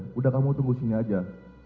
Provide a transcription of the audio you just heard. sudah kamu tunggu sini aja